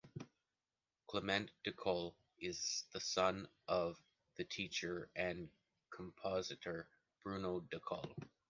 Clément Ducol is the son of the teacher and compositor Bruno Ducol.